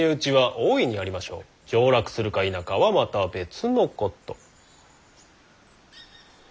上洛するか否かはまた別のこと。